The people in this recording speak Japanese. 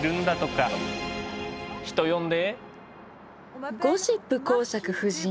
人呼んで。